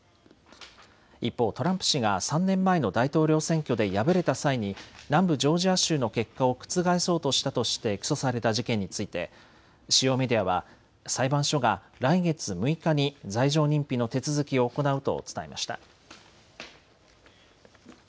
一方、トランプ氏が３年前の大統領選挙で敗れた際に南部ジョージア州の結果を覆そうとしたとして起訴された事件について主要メディアは裁判所が来月６日に罪状認否の手続きを行うと伝えました。